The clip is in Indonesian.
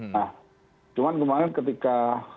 nah cuman kemarin ketika